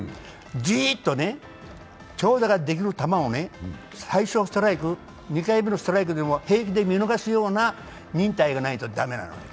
じっと長打ができる球を最初ストライク、２回目のストライクでも兵器で見逃すような忍耐がないと駄目なの。